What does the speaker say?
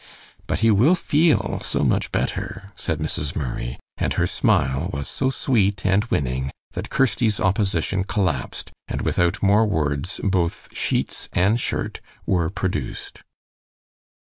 "But he will feel so much better," said Mrs. Murray, and her smile was so sweet and winning that Kirsty's opposition collapsed, and without more words both sheets and shirt were produced.